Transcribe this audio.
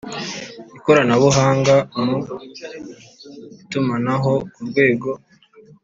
Ikoranabuhanga mu itumanaho ku rwego